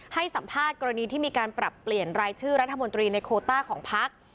ให้สัมภาษณ์กรณีที่มีการปรับเปลี่ยนรายชื่อรัฐมนตรีในโคต้าของพัก